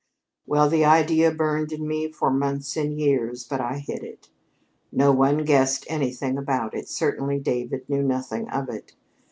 "Well, the idea burned in me for months and years. But I hid it. No one guessed anything about it. Certainly David knew nothing of it.